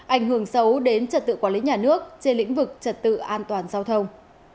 ảnh hưởng xấu đến trật tự quản lý nhà nước trên lĩnh vực trật tự an toàn giao thông